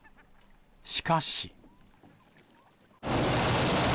しかし。